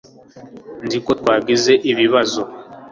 nzi ko twagize ibibazo